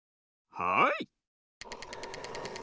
はい。